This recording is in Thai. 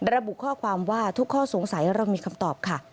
ระบุข้อความว่าทุกข้อสงสัยเรามีคำตอบค่ะ